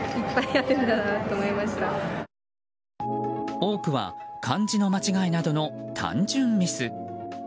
多くは漢字の間違えなどの単純ミス。